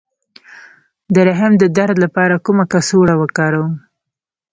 د رحم د درد لپاره کومه کڅوړه وکاروم؟